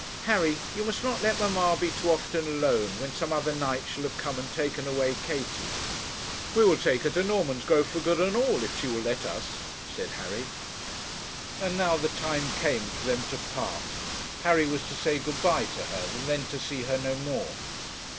Harry, you must not let mamma be too often alone when some other knight shall have come and taken away Katie.' 'We will take her to Normansgrove for good and all, if she will let us,' said Harry. And now the time came for them to part. Harry was to say good bye to her, and then to see her no more.